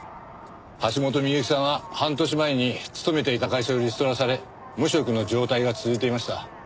橋本美由紀さんは半年前に勤めていた会社をリストラされ無職の状態が続いていました。